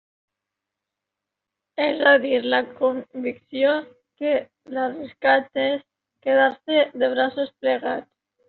És a dir, la convicció que l'arriscat és quedar-se de braços plegats.